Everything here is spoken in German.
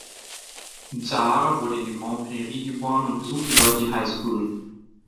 Zahara wurde in Grande Prairie geboren und besuchte die dortige High School.